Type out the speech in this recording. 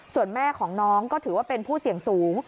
ส่วนแม่ของน้องก็ถือว่าเป็นผู้เสี่ยงสูง